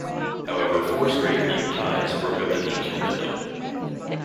However, four straight league ties broke up the team's momentum.